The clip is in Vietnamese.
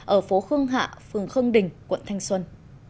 ở phố khương hạ phường khương đình quận thanh xuân